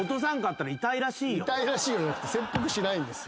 痛いらしいよじゃなくて切腹しないんです。